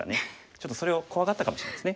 ちょっとそれを怖がったかもしれないですね。